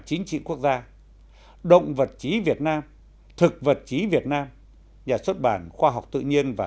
chính trị quốc gia động vật chí việt nam thực vật chí việt nam nhà xuất bản khoa học tự nhiên và